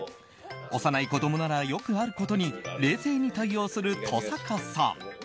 幼い子供ならよくあることに冷静に対応する登坂さん。